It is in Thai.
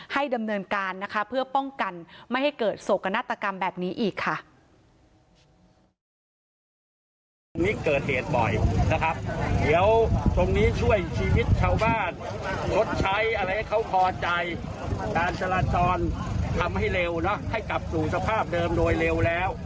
ดำเนินการนะคะเพื่อป้องกันไม่ให้เกิดโศกนาฏกรรมแบบนี้อีกค่ะ